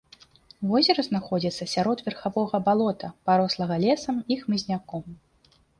Возера знаходзіцца сярод вярховага балота, парослага лесам і хмызняком.